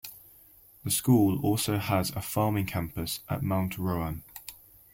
The school also has a farming campus at Mount Rowan.